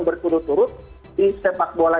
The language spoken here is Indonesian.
berturut turut di sepak bola